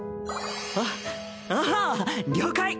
あっああ了解。